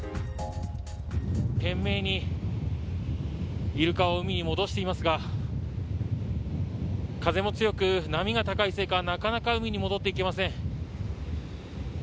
懸命にイルカを海に戻していますが風も強く波が高いせいかなかなか海に戻っていけません。